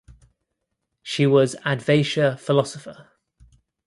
She was Advaita philosopher.